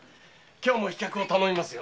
今日も飛脚を頼みますよ。